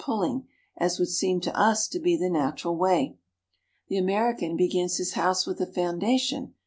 pulling, as would seem to us to be the natural way. The American begins his house with the foundation.